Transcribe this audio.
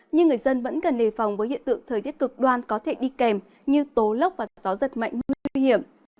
nhưng người dân vẫn cần đề phòng với hiện tượng thời tiết cực đoan có thể đi kèm như tố lóc và gió rất mạnh nguy hiểm